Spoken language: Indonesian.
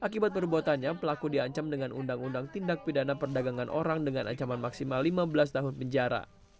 akibat perbuatannya pelaku diancam dengan undang undang tindak pidana perdagangan orang dengan ancaman maksimal lima belas tahun penjara